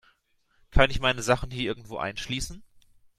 Kann ich meine Sachen hier irgendwo einschließen?